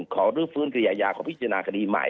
๑ขอรื้อฟื้นกริยายาของพิจารณาคดีใหม่